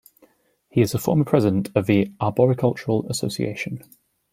He is a former president of the Arboricultural Association.